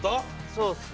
そうっすね。